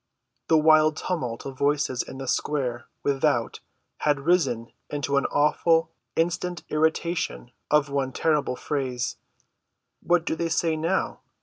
The wild tumult of voices in the square without had risen into an awful, insistent iteration of one terrible phrase. "What do they say now?"